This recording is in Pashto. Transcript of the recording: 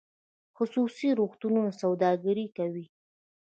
خصوصي روغتونونه سوداګري کوي